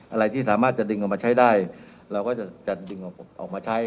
อะไรที่สามารถจะดึงออกมาใช้ได้เราก็จะดึงออกมาใช้